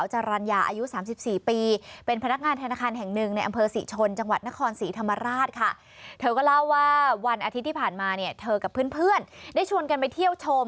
วันอาทิตย์ที่ผ่านมาเธอกับเพื่อนได้ชวนกันไปเที่ยวชม